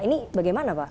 ini bagaimana pak